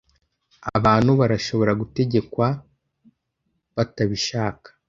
abantu barashobora gutegekwa batabishaka